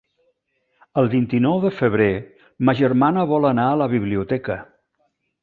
El vint-i-nou de febrer ma germana vol anar a la biblioteca.